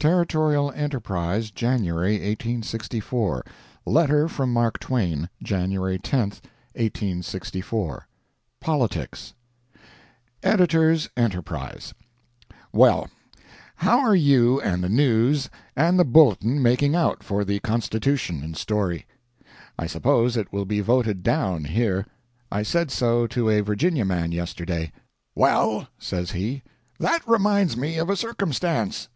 Territorial Enterprise, January, 1864 LETTER FROM MARK TWAIN January 10, 1864 POLITICS EDITORS ENTERPRISE: Well, how are you and the News and the Bulletin making out for the Constitution in Storey? I suppose it will be voted down here. I said so to a Virginia man yesterday. "Well," says he, "that reminds me of a circumstance.